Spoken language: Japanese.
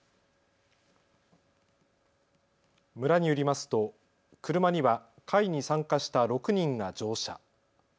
村によりますと、車には会に参加した６人が乗車。